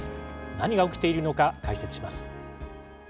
何が起きているのか、解説します。